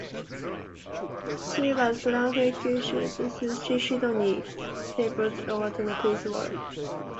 She was transferred to the Sydney stables of trainer Chris Waller.